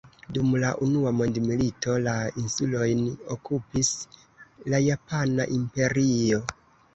Dum la unua mondmilito, la insulojn okupis la Japana Imperio.